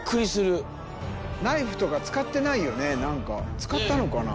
使ったのかな？